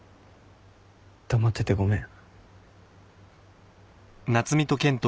黙っててごめん。